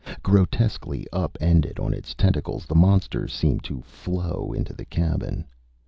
Grotesquely up ended on its tentacles, the monster seemed to flow into the cabin.